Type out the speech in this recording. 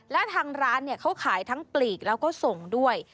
และทางร้านเขาขายทั้งปลีกแล้วก็ส่งด้วย